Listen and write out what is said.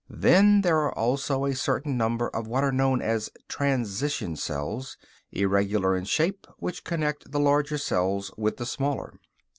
Then there are also a certain number of what are known as "transition cells," irregular in shape, which connect the larger cells with the smaller.